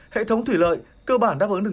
hệ thống thủy lợi cơ bản đáp ứng được